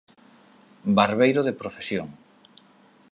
Barbeiro de profesión.